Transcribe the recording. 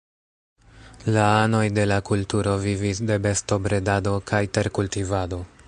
La anoj de la kulturo vivis de bestobredado kaj terkultivado.